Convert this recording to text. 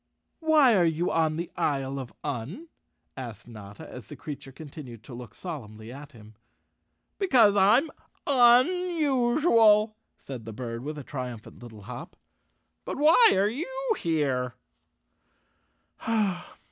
"Why are you on the Isle of Un?" asked Notta, as the creature continued to look solemnly at him. "Because I'm unusual," said the bird with a tri¬ umphant little hop. "But why are you here?"